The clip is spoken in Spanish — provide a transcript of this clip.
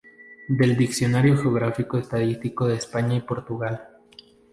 Del Diccionario geográfico-estadístico de España y Portugal.